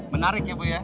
menarik ya ibu ya